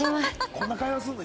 こんな会話するの？